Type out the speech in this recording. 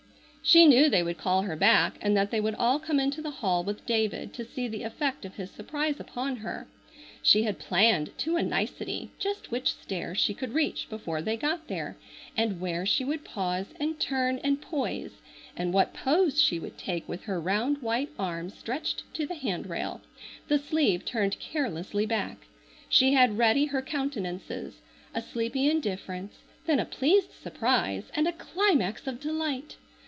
She knew they would call her back, and that they would all come into the hall with David to see the effect of his surprise upon her. She had planned to a nicety just which stair she could reach before they got there, and where she would pause and turn and poise, and what pose she would take with her round white arm stretched to the handrail, the sleeve turned carelessly back. She had ready her countenances, a sleepy indifference, then a pleased surprise, and a climax of delight.